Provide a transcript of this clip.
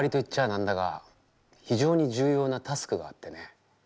なんだが非常に重要なタスクがあってね。